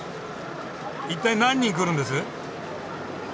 一体何人来るんです？